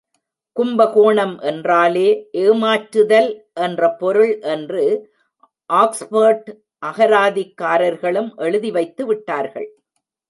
கும்பகோணம் என்றாலே ஏமாற்றுதல் என்ற பொருள் என்று ஆக்ஸ்போர்ட் அகராதிக்காரர்களும் எழுதிவைத்து விட்டார்கள்.